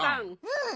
うん。